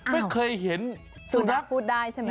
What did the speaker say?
ไม่เคยเห็นสุนัขพูดได้ใช่ไหม